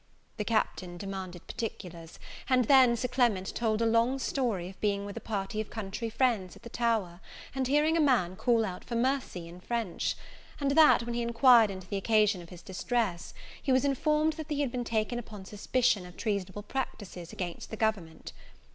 The Captain demanded particulars; and then Sir Clement told a long story of being with a party of country friends at the Tower, and hearing a man call out for mercy in French; and that, when he inquired into the occasion of his distress, he was informed that he had been taken up upon suspicion of treasonable practices against the government.